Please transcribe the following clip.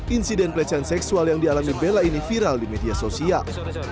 insiden pelecehan seksual yang dialami bella ini viral di media sosial